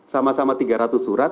sama sama tiga ratus surat